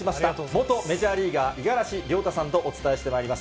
元メジャーリーガー、五十嵐亮太さんとお伝えしてまいります。